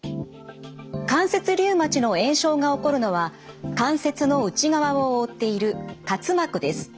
関節リウマチの炎症が起こるのは関節の内側を覆っている滑膜です。